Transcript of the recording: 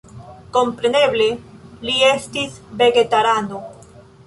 Kompreneble, li estis vegetarano.